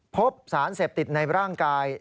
พบสารเสพติดในร่างกาย